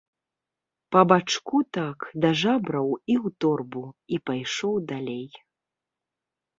Па бачку так, да жабраў, і ў торбу, і пайшоў далей.